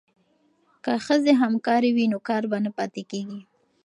که ښځې همکارې وي نو کار به نه پاتې کیږي.